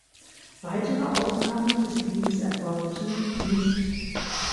Weitere Aufnahmen des Liedes erfolgten nicht.